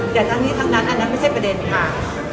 แต่ทั้งนั้นอันนั้นไม่ใช่ประเด็นค่ะ